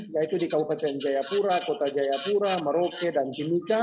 yaitu di kabupaten jayapura kota jayapura merauke dan kiluka